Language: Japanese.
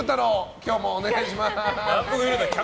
今日もお願いします。